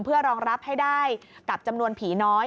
เพื่อรองรับให้ได้กับจำนวนผีน้อย